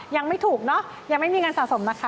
ยังไม่ถูกเนอะยังไม่มีเงินสะสมนะคะ